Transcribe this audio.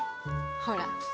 ほら。